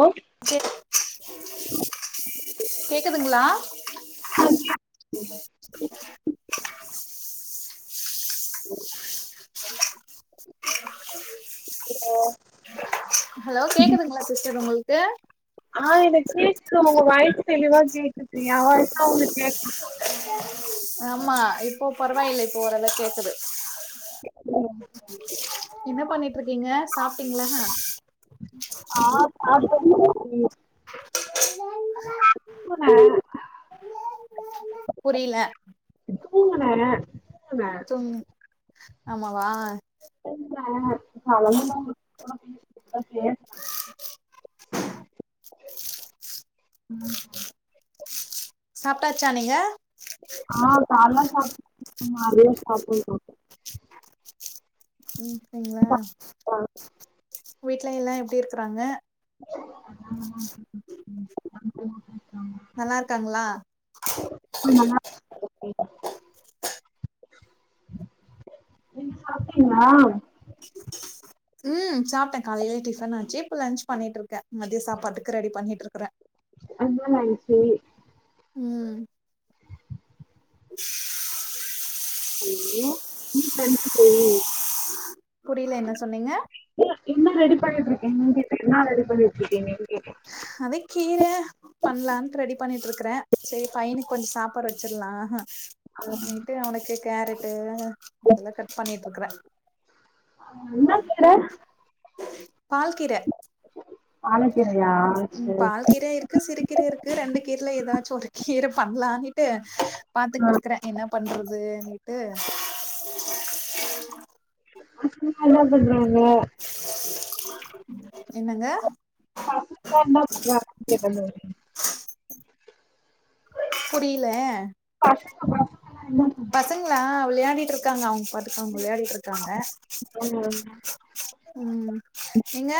ஓ கேக்குதுங்ளா [inaudible] போலாம் இருக்கோ ஹலோ கேக்குதுங்ளா சிஸ்டர் உங்களுக்கு ஆ எனக் கேக்கு ஒங்க வாய்ஸ் தெளிவா கேக்குது எயா வாய்ஸ் தா உங்களுக்கு கேட்கு ஆமா இப்போ பரவாயில்ல இப்போ ஒரளவு கேக்குது நா எம் ஜி எம் என்ன பண்ணிட்டு இருக்கீங்க சாப்டீங்ளா ஆ சாப்டே மத்தியோ புரில தூங்குனாரா தூக்கு ஆமாவா கலந்தட பேசதான் [unintelligible] இன்னோ சமைய சாப்டாச்சா நீங்க ஆ கால்லா சாப்பாடு செஞ்சோம் மா அதே சாப்டோ இப்போ வீட்ல எல்லா எப்டி இருக்கறாங்க [inaudible] நல்லா இருக்காங்ளா ஆ நல்லா இருக் தோழி நீங்க சாப்டீங்ளா ம் சாப்டே காலைல டிபன் ஆச்சி இப்ப லஞ்ச் பண்ணிட்டு இருக்கே மத்திய சாப்பாட்டுக்கு ரெடி பண்ணிட்டு இருக்கறே என்ன லஞ்ச் ம் ஐயோ நீ கண்ணுக்கு தே புரில என்ன சொன்னீங்க ஏ இன்னா ரெடி பண்ணிட்டிருகிங்கன் கேட்டே என்னா ரெடி பண்ணிட்டிருக்கிங்கன்னு கேட்டே கதக்கீரே பண்லான்ட் ரெடி பண்ணிட்டு இருக்கற சேரி பையனுக்கு கொஞ்சோ சாப்பாடு வெச்சிடலா நைட்டு அவனுக்கு கேரட்டு அதெல்லா கட் பண்ணிட்டு இருக்கற அது என்ன கட பால் கர பாலகீரையா சேரி சேரி கு சிறுகீர இருக்கு ரெண்டு கீரைல ஏதாச்சு ஒரு கீர பண்ணலா இன்னிட்டு பாத்துக்கிட்டு இருக்கற என்ன பண்றதுன்னுட்டு நாலாது நாளே என்னங்க [inaudible] புரில [inaudible] பசங்களா விளையாடிட்டு இருக்காங்க அவங்க பாட்டுக்கு அவங்க விளையாடிட்டு இருக்காங்க ம் நீங்க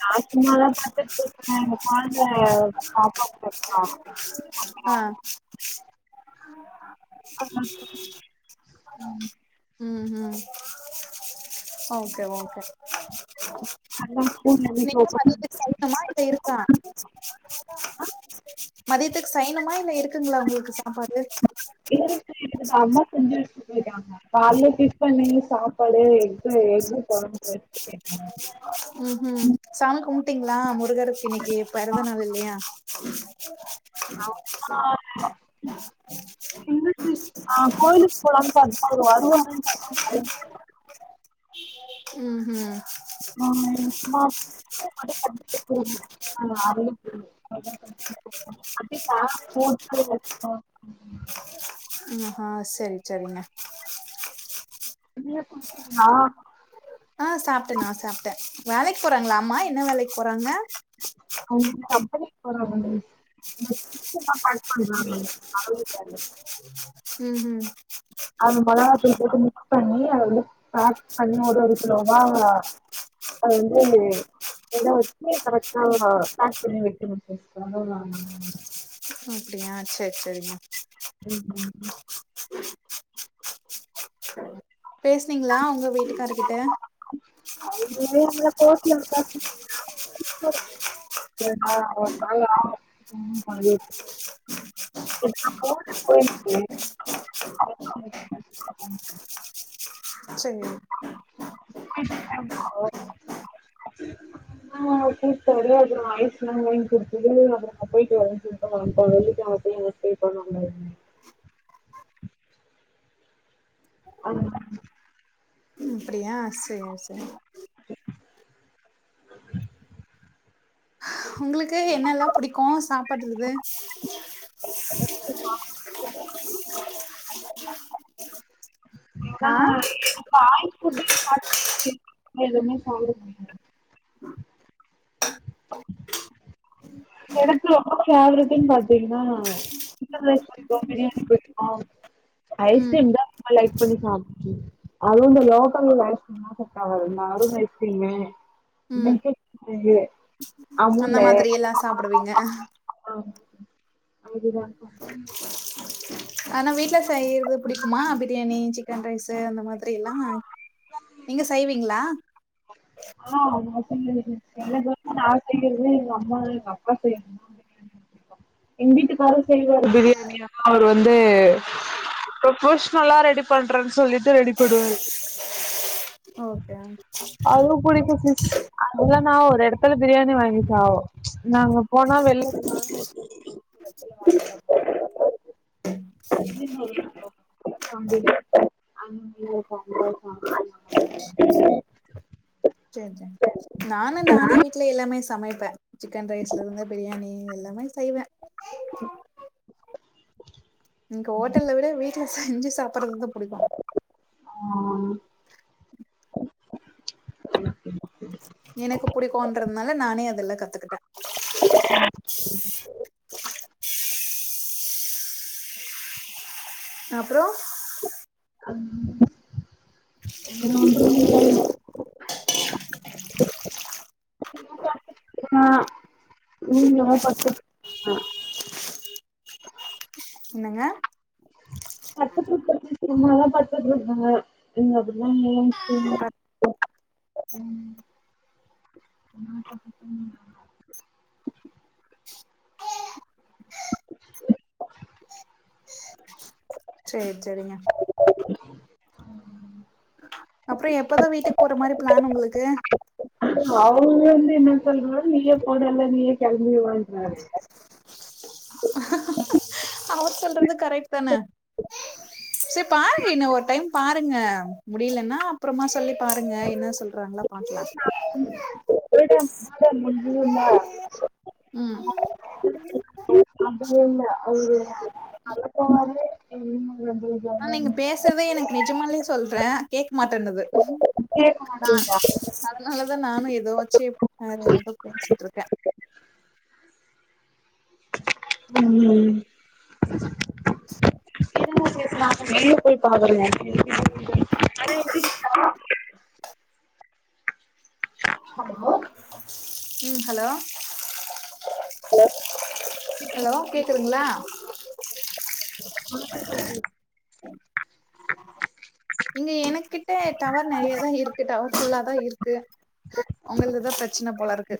நா சும்மாதா படுத்திட்டு இருக்க ஏ கொழந்த அப்பா கூட இருக்கா ஆ ம் ம் ஓகே ஓகே நீங்க மதியத்துக் செய்யணுமா இல்ல இருக்கா மதியத்துக்கு செய்யனுமா இல்ல இருக்குங்ளா உங்ளுக்கு சாப்பாடு இருக்கு இருக்குது அம்மா செஞ்சு வெச்சிட்டு போயிருக்காங்க கால்ல டிஃப்பனு சாப் சாப்பாடு எஃகு எஃகு கொழம்பு வெச்சிட்டு போய்டாங்க ம்ஹும் சாமி கும்பிட்டீங்ளா முருகருக்கு இன்னிக்கு பெறந்த நாள் இல்லியா [unintelligible] இல்ல சிஸ் ஆ கோயிலுக்கு போலானு பாத்தோ அவரு வருவாருனு பாத் ஆ ம்ஹீம் [inaudible] [inaudible] ஆஹா செரி செரிங்க நீங்க சாப்டீங்ளா ஆ சாப்டே நா சாப்டே வேலைக்கு போறாங்ளா அம்மா என்ன வேலைக்கு போறாங்க அவங்க கம்பனிக்கு போறாங்க இந்த [inaudible] ம்ஹும் அது மொளகாத்தூள் போட்டு மிக்ஸ் பண்ணி அத வந்து பேக் பண்ணி ஒரு ஒரு கிலோவா அவங்க அது வந்து எல்லா வெச்சு கரெக்டா பேக் பண்ணி வெக்கனு சிஸ்டர் அதுதா அப்டியா செர் செரிங்க ம் ம் ம் பேசுனீங்ளா உங்க வீட்டுக்கார் கிட்ட [inaudible] [inaudible] ஓகே செரி [inaudible] ஓகே இப்போ ஒரே ஒரு தரவ ஐஸ்லா வாங்கி குடுத்துது அப்றோ நா போய்ட்டு வரனு சொல்லிட்டு போன வெள்ளிகெழம போயி ஃபே பண்ணுவாங் ஆ ம் அப்டியா சேர் சேர் உங்களுக்கு என்னெல்லா புடிக்கு சாப்ட்டுறது [inaudible] ஆ எனக்கு ஆயில் எனக்கு ரொம்ப ஃபேவரட்டுன் பாத்தீங்னா சிக்கன் ரைஸ் புடிக்கு பிரியாணி புடிக்கு ம் ஐஸ்கிரீம்ங்க ஆ லைக் பண்ணி சாப்ட்டு அதுவு இந்த லோக்கல் உள்ள ஐஸ்கிரீம்லா செட் ஆவாது இந்த அருன் ஐஸ்கிரீமு என்ன ம் மிஸ்டேக் அங்கே அந்த மாதிரியெல்லா சாப்டுவீங்க ஆ அதுதா ஆனா வீட்ல செய்யற்து புடிக்குமா பிரியாணி சிக்கன் ரைஸு அந்த மாதிரியெல்லா நீங்க செய்வீங்ளா ஆனா அது மாரி [unintelligible] செல [inaudible] நா செய்யறது எங்க அம்மா எங்க அப்பா செய்யறது எங் வீட்டுக்காரு செய்வாரு பிரியாணியா அவரு வந் வந்து ப்ரொப்போஷ்னலா ரெடி பண்றேன் சொல்லிட் ட்டு ரெடி பண்ணுவாரு ஓகே அதுவு புடிக்கு சிஸ் அதுதா நா ஒரு எடத்துல பிரியாணி வாங்கி சாப் நாங்க போனா வெள்ல [inaudible] [inaudible] [unintelligible] சேர் சேர் நானு நானே வீட்ல எல்லாமே சமைப்பே சிக்கன் ரைஸ்லருந்து பிரியாணி எல்லாமே செய்வே என்க்கு ஹோட்டல்ல விட வீட்ல செஞ்சு சாப்பிட்றதுதா புடிக்கு ஆ எனக்கு புடிக்குன்றதுனால நானே அதெல்லா கத்துக்கிட்டே அப்றோ அஃ அ என்ன வண்றதுனு தெரிய்ல [inaudible] ஆ ரூம்ல தா படுத்துக் ஆ என்னங்க பத்து ட்ரிப் பத்தி சொன்னாலா பத்து ட்ரிப்புனு ஏங்க அதுக்குலா நீங்கதாங்க சீனியரு ம் [inaudible] சேர் சேரிங்க அப்ற எப்பதா வீட்டுக்கு போற மாரி பிளான் உங்களுக்கு அவ்ங்க வந்து என்ன சொல்றா நீயே போறல்ல நீயே கெளம்பிவான்ராரே அவர் சொல்றது கரெக்ட் தான சேர் பாருங்க இன்னு ஒரு டைம் பாருங்க முடியலனா அப்றமா சொல்லி பாருங்க என்ன சொல்றாங்களா பாக்லா [inaudible] ம் அப்டி இல்ல ஒரு [unintelligible] ஆனா நீங்க பேசுறதே எனக்கு நெஜமாலே சொல்றே கேக்க மாட்டேனுது நா அதனால தா நானு ஏதோச்சு வேற எததோ பேசிட்ருக்கே ம் [inaudible] வெளிய போய் பாக்குறாங்க [inaudible] ஆனா எங்க வீட் ஹலோ ம் ஹலோ ஹலோ கேக்குதுங்ளா அங்க போய் போடு இங்க எனக்கிட்ட டவர் நெறையா தா இருக்கு டவர் ஃபுல்லா தா இருக்கு உங்களுதுதா பிரச்சன போல இருக்கு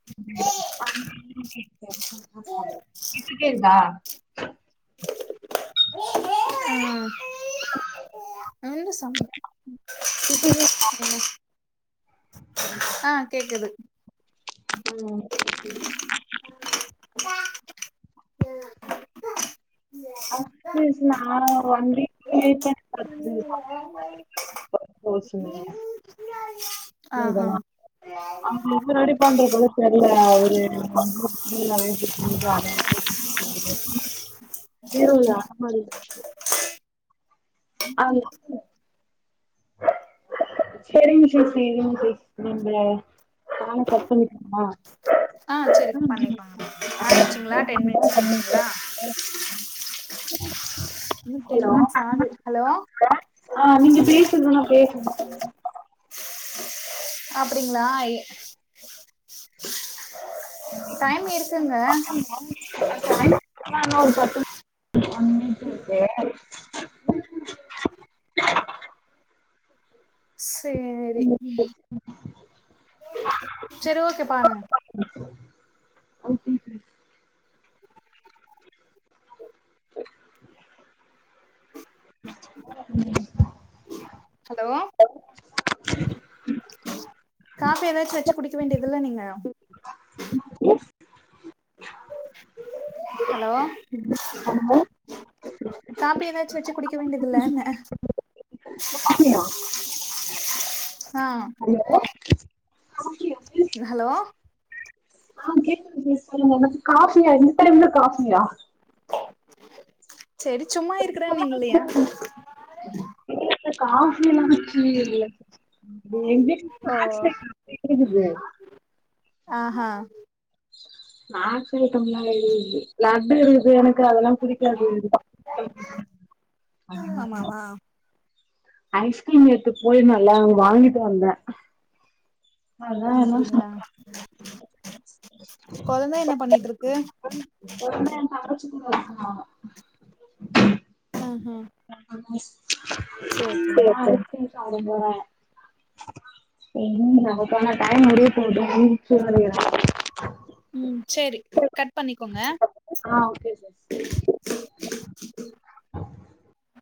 கேட்டுடே இருக்கா ம் இப்ப கேக்தா ஆ கேக்குது ம் ஓகே ஆ [inaudible] பேசினே ஆனா ஒரு ஒன் வீக் வெயிட் பண்ணி [inaudible] ஆ ஆ [unintelligible] பண்றது தெர்ல அவரு [inaudible] பீரோல்ல அலமாரில இருக்கு ஆ [inaudible] செரிங் சேச்சி நீங் [unintelligible] இந்த ஃபோன் கட் பண்ணிகிட்டுமா ஆ செரி பண்ணிக்கோங்க ஆயிடுசிங்ளா டென் மினிட்ஸ் ஆயிடுசிங்ளா இன்னு டென் மினிட்ஸ் சாடு ஹலோ ஆ நீங்க பேசறதெல்லா கேக்குது அப்டிங்களா எ டைம் இருகுங்க யா இன்னு ஒரு பத்து ஒன் மினிட்தா இருக்கு சேரி ம் செரி ஓகே பாருங்க ஹலோ ம் காஃபி ஏதாச்சு வெச்சு குடிக்க வேண்டிதில்ல நீங்க ஹலோ காஃபி ஏதாச்சு வெச்சு குடிக்க வேண்டிதில்லனே ஆ எவ்ளோ ம் ஹலோ ஆ கேக்குது சிஸ் சொல்லுங்க என்னது காஃபியா இந்த டைம்ல காஃபியா செரி சும்மா இருக்கறேன்னீங்ல்லையா எ காஃபிலா வெச்சி இல்ல [inaudible] ஓ டார்ச் லைட் [inaudible] ஆ ஆ ஸ்னாக்ஸ் ஐட்டம்லா இருகுது லட்டு இருகுது எனக் கு அதெல்லா புடிக்காது எனக்கு தா ஆமாவா ஐஸ்கிரீம் நேத்து போயி நல்லா வாங்கிட்டு வந்தே அப்டிங்ளா கொழந்த என்ன பண்ணிட்டிருக் கொழந்த எ தங்கச்சி கூட இருக்கா ஆஹா சேரி சேரி சேரி சேரி நமக்கான டைம் முடிய போகுது ம் சேரி கட் பண்ணிகோங்க ஆ ஓகே சிஸ்